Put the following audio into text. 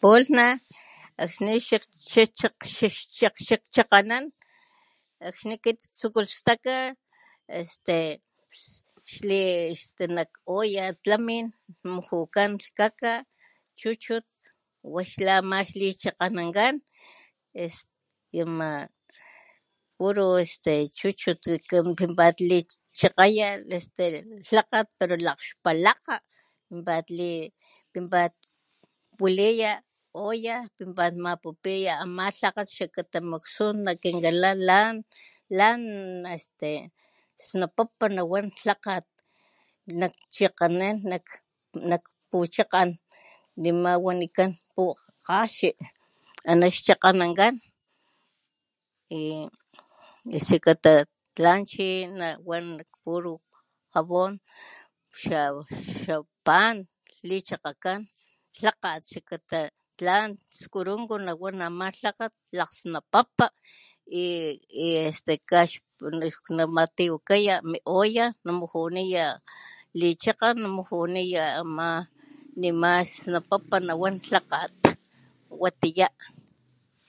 Pulh na akxni xa xachi xak, xak cha'kganan akxni kit tsukulh staka este xli nak olla tlamin mujukan lhka'ka chuchut wa' xlama xlichakganankan y es ama puru es chuchut pat licha'kgeya pala lakgxpalakga pat li pinpat waliya olla pinpat mapupiya ama lhakgat xakata muksun nakinkala la lan este snapapá nawan lhakgat nakcha'kganan nak puchakgan nima wanikan pu kga'xi ana xchakganankan y este xakata tlan chi nawan puru jabon xa, xa pan lichakgakan lahakgat xlakata lan scurunku nawan ama lhakgat lakgsnapapa y y este kax namatiwakaya mi olla namujuniya lichakgan namujiniya ama nima snapapa na wan lhakgat watiya.